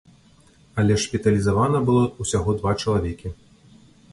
Але шпіталізавана было ўсяго два чалавекі.